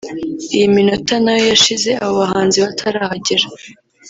Iyi minota nayo yashize abo bahanzi batarahagera